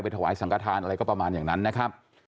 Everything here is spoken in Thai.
ถวายสังกฐานอะไรก็ประมาณอย่างนั้นนะครับ